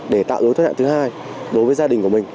để tạo lối thoát hạn thứ hai đối với gia đình của mình